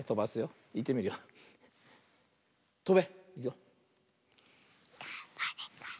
とべ！